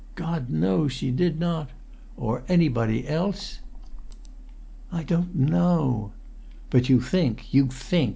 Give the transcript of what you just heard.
"God knows she did not." "Or anybody else?" "I don't know." "But you think—you think!